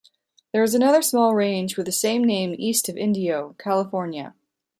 There is another small range with the same name east of Indio, California.